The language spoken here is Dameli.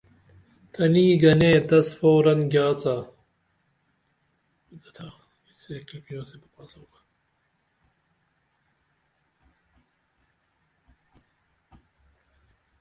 تنی گنے تس فورن گیاڅا